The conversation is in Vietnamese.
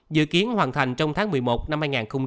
dự kiến hoàn thành trong tháng một mươi một năm hai nghìn hai mươi